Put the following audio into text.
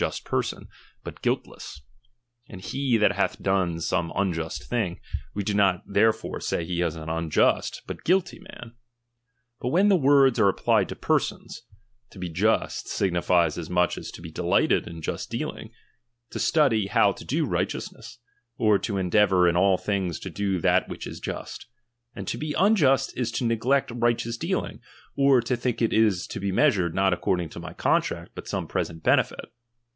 just person, but guiltless ; and he that chap. hi. hath done some unjust thing, we do not therefore """*■■' say he is an unjust, but guilty man. But when the words are applied to persons, to be Just signi fies as much as to be delighted in just dealing, to study how to do righteousness, or to endeavour in all things to do that which is just ; and to he un just is to neglect righteous dealing, or to think it is to be measured not according to my contract, but some present benefit.